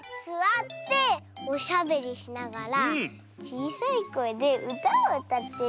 すわっておしゃべりしながらちいさいこえでうたをうたってる？